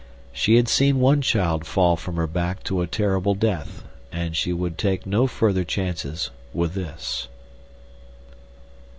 She had seen one child fall from her back to a terrible death, and she would take no further chances with this.